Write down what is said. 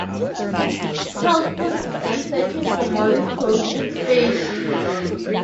Charles soon began searching for molecules in space.